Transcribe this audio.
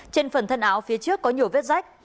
trên phần thân áo phía trước có nhiều vết rách